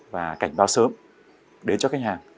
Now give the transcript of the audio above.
và cảnh báo sớm đến cho khách hàng